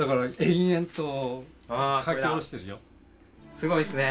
すごいですね！